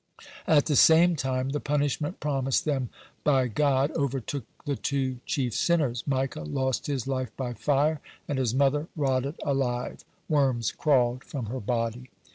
(135) At the same time the punishment promised them by God overtook the two chief sinners. Micah lost his life by fire, and his mother rotted alive; worms crawled from her body.